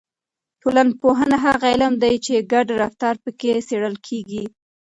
ټولنپوهنه هغه علم دی چې ګډ رفتار پکې څېړل کیږي.